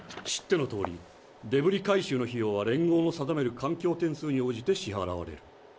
知ってのとおりデブリ回収の費用は連合の定める環境点数に応じて支はらわれる。